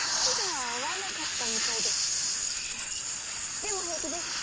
でも平気です。